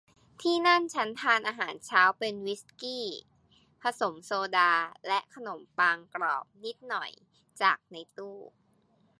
ที่นั่นฉันทานอาหารเช้าเป็นวิสกี้ผสมโซดาและขนมปังกรอบนิดหน่อยจากในตู้